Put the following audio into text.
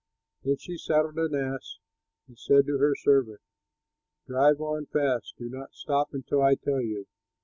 Then she saddled an ass and said to her servant, "Drive on fast, do not stop until I tell you."